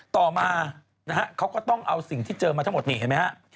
ต่อมานะฮะเขาก็ต้องเอาสิ่งที่เจอมาทั้งหมดนี่เห็นไหมฮะ